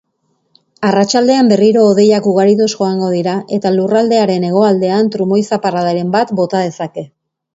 Arratsaldean berriro hodeiak ugarituz joango dira eta lurraldearen hegoaldean trumoi-zaparradaren bat bota dezake.